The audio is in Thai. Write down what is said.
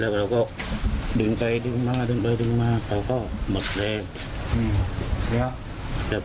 แล้วเราก็ดึงใจดึงมาดึงไปดึงมาเขาก็หมดแรงอืมเดี๋ยว